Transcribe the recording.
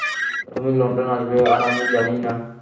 তুমি লন্ডনে আসবে, আর আমি জানিই না।